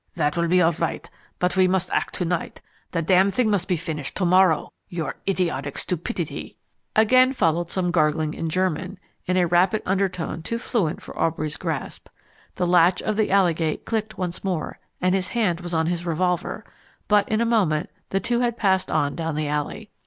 "That will be all right, but we must act to night. The damned thing must be finished to morrow. Your idiotic stupidity " Again followed some gargling in German, in a rapid undertone too fluent for Aubrey's grasp. The latch of the alley gate clicked once more, and his hand was on his revolver; but in a moment the two had passed on down the alley.